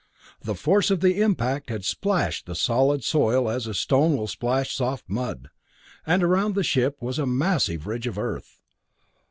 The force of the impact had splashed the solid soil as a stone will splash soft mud, and around the ship there was a massive ridge of earth.